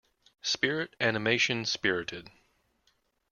Spirit animation Spirited.